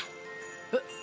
えっ。